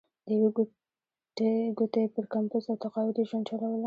د یوې ګوتې پر کمپوز او تقاعد یې ژوند چلوله.